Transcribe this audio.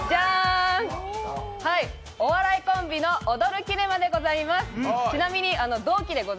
お笑いコンビのオドるキネマでございます。